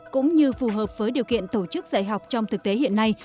cũng như phù hợp với điều kiện tổ chức dạy học trong thực tế hiện nay